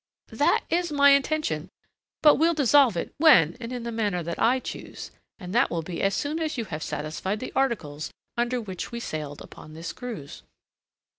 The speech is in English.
"That is my intention. But we'll dissolve it when and in the manner that I choose, and that will be as soon as you have satisfied the articles under which we sailed upon this cruise.